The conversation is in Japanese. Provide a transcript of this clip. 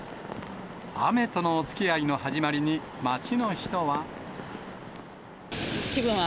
雨とのおつきあいの始まりに、街の人は。